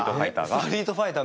「ストリートファイター」